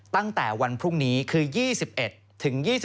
ตั้งแต่วันพรุ่งนี้คือ